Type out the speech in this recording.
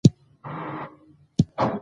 که ماشین تود شي نو په اتومات ډول بندیږي.